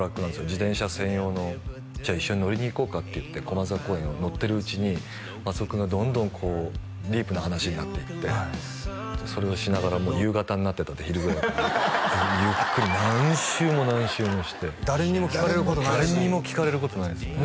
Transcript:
自転車専用のじゃあ一緒に乗りに行こうかっていって駒沢公園を乗ってるうちに松尾くんがどんどんディープな話になっていってそれをしながらもう夕方になってた昼ぐらいからゆっくり何周も何周もして誰にも聞かれることないし誰にも聞かれることないですね